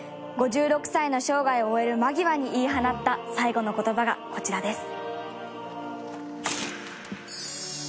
５６歳の生涯を終える間際に言い放った最期の言葉がこちらです。